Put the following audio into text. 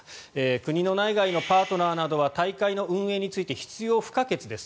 国の内外のパートナーなどは大会の運営について必要不可欠です。